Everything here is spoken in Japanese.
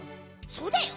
そうだよ。